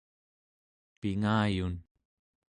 pingayun